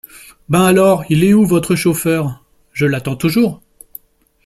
Ben alors, il est où, votre chauffeur, je l’attends toujours.